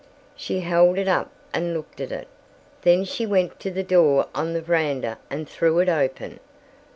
She held it up and looked at it: then she went to the door on to the veranda and threw it open.